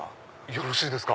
よろしいですか？